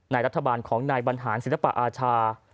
ในรัฐบาลของในบรรหารศิลปะอาชา